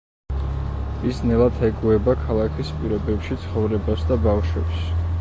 ის ძნელად ეგუება ქალაქის პირობებში ცხოვრებას და ბავშვებს.